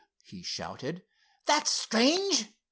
he shouted. "That's strange!